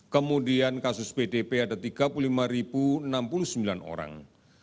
kemudian kasus pdp ada tiga puluh lima enam puluh sembilan orang